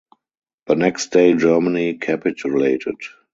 The next day Germany capitulated.